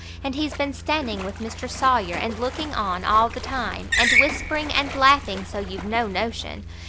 and he's been standing with Mr Sawyer, and looking on all the time, and whispering and laughing so you've no notion.